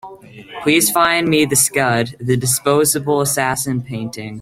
Please find me the Scud: The Disposable Assassin painting.